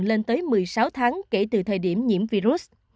lên tới một mươi sáu tháng kể từ thời điểm nhiễm virus